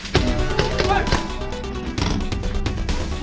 tahan jalan jalan